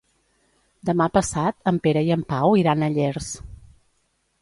Demà passat en Pere i en Pau iran a Llers.